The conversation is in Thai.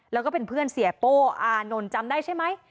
แล้วก็เป็นเพื่อนเสียโป้อานนท์จำได้ใช่ไหม